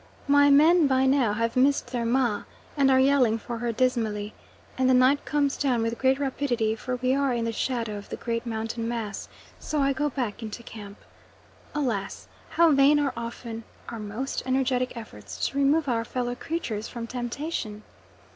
My men, by now, have missed their "ma" and are yelling for her dismally, and the night comes down with great rapidity for we are in the shadow of the great mountain mass, so I go back into camp. Alas! how vain are often our most energetic efforts to remove our fellow creatures from temptation.